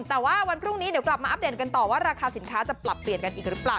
แต่ว่าวันพรุ่งนี้เดี๋ยวกลับมาอัปเดตกันต่อว่าราคาสินค้าจะปรับเปลี่ยนกันอีกหรือเปล่า